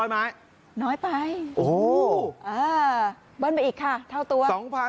๑๕๐๐ไม้น้อยไปโอ้โฮเออบ้นไปอีกค่ะเท่าตัว